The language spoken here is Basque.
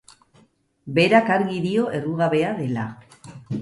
Berak argi dio errugabea dela.